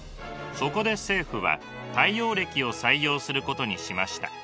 そこで政府は太陽暦を採用することにしました。